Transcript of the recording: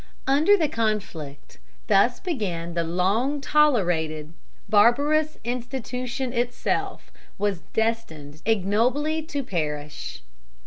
Under the conflict thus begun the long tolerated barbarous institution itself was destined ignobly to perish.